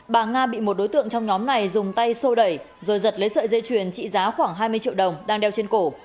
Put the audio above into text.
bà nga bị một đối tượng trong nhóm này dùng tay sô đẩy rồi giật lấy sợi dây chuyền trị giá khoảng hai mươi triệu đồng đang đeo trên cổ